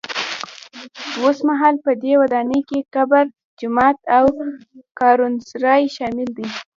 اوسمهال په دې ودانۍ کې قبر، جومات او کاروانسرای شامل دي.